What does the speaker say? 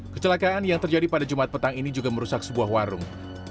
kecelakaan yang terjadi pada jumat petang ini juga merusak sebuah warung